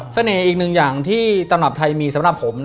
อีกหนึ่งอย่างที่ตำรับไทยมีสำหรับผม